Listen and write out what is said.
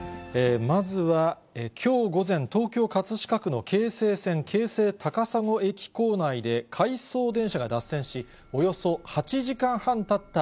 まずは、きょう午前、東京・葛飾区の京成線京成高砂駅構内で、回送電車が脱線し、およそ８時間半たった